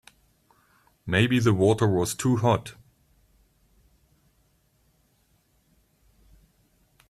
Maybe the water was too hot.